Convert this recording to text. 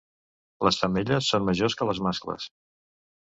Les femelles són majors que les mascles.